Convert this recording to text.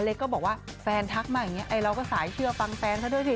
ก็บอกว่าแฟนทักมาอย่างนี้ไอ้เราก็สายเชื่อฟังแฟนเขาด้วยสิ